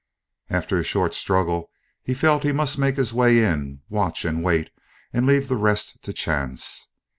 After a short struggle, he felt he must make his way in, watch and wait, and leave the rest to chance.